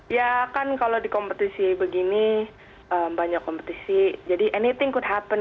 ya kan kalau di kompetisi begini banyak kompetisi jadi anything good happen